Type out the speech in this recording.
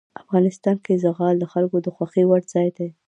افغانستان کې زغال د خلکو د خوښې وړ ځای دی.